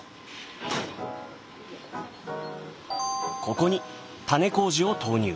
ここに種麹を投入。